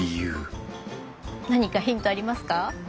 何かヒントありますか？